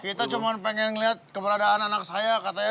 kita cuma pengen ngeliat